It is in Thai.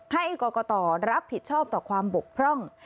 ให้กรกตรับผิดชอบต่อความบกพร่อง